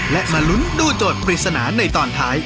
และมาลุ้นดูโจทย์ปริศนาในตอนท้าย